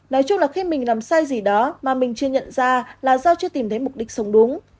nói chung là khi mình làm sai gì đó mà mình chưa nhận ra là do chưa tìm thấy mục đích sống đúng